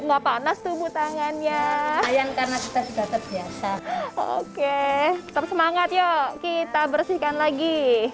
enggak panas tubuh tangannya yang karena kita sudah terbiasa oke tersemangat yuk kita bersihkan lagi